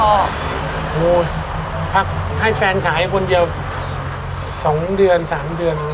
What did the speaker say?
โอ้โหพักให้แฟนขายคนเดียว๒เดือน๓เดือน